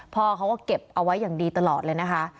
พ่อเขาก็เก็บเอาไว้อย่างดีตลอดเลยนะคะ